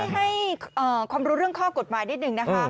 ให้ความรู้เรื่องข้อกฎหมายนิดนึงนะคะ